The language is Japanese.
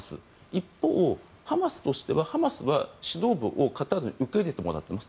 一方、ハマスとしてはハマスは指導部をカタールに受け入れてもらっています。